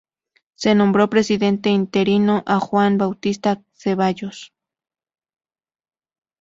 Se nombró presidente interino a Juan Bautista Ceballos.